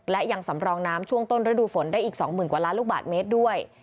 และยังสำรองน้ำช่วงต้นฤดูฝนได้อีก๒๐๐๐กว่าล้านลูกบาทเมตรด้วย